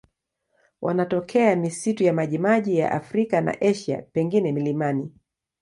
Wanatokea misitu ya majimaji ya Afrika na Asia, pengine milimani.